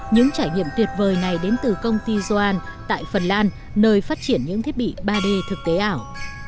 những trải nghiệm tuyệt vời này đến từ công ty zoan tại phần lan nơi phát triển những thiết bị ba d thực tế ảo